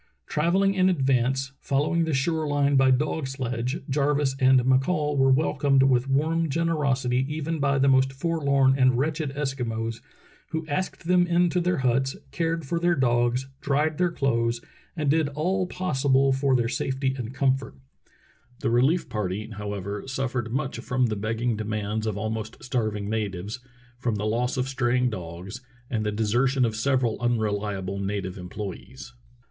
Travelling in advance, following the shore line by dog sledge, Jarvis and McCall were welcomed with warm generosity even by the most forlorn and wretched Eskimos, who asked them into their huts, cared for their dogs, dried their clothes, and did all possible for their Relief of American Whalers at Point Barrow 289 safety and comfort. The relief party, however, suffered much from the begging demands of almost starving natives, from the loss of straying dogs, and the deser tion of several unreliable native employees.